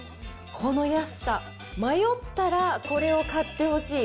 この安さ、迷ったらこれを買ってほしい。